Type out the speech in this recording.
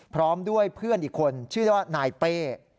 พร้อมด้วยเพื่อนอีกคนชื่อว่านายเป้